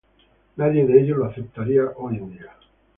Nadie de ellos lo aceptaría hoy día.